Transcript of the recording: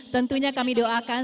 tentunya kami doakan